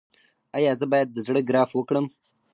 ایا زه باید د زړه ګراف وکړم؟